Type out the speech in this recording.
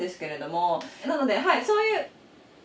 なのではいそういう一応。